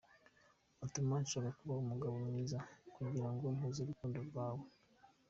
Utuma nshaka kuba umugabo mwiza, kugirango mpuze n’urukundo rwawe.